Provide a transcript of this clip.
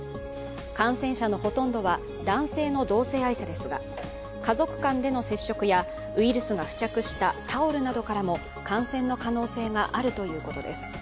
感染者のほとんどは男性の同性愛者ですが家族間での接触や、ウイルスが付着したタオルなどからも感染の可能性があるということです。